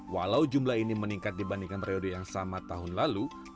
walau jumlah ini meningkat dibandingkan periode yang sama tahun lalu